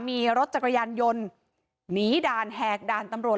มีรถจักรยานยนต์หนีด่านแหกด่านตำรวจ